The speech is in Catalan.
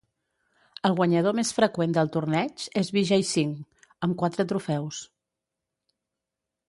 El guanyador més freqüent del torneig és Vijay Singh, amb quatre trofeus.